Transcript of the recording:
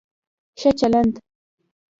ښه چلند